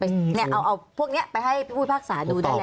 เนี่ยเอาพวกนี้ไปให้ผู้ปริภาคศาสตร์ดูได้แล้ว